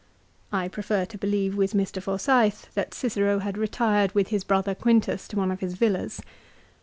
1 I prefer to believe with Mr. Forsyth that Cicero had retired with his brother Quintus to one of his villas.